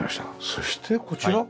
そしてこちらは？